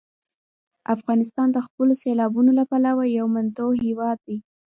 افغانستان د خپلو سیلابونو له پلوه یو متنوع هېواد دی.